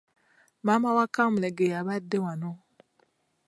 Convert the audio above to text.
Maama wa Kamulegeya abadde wano.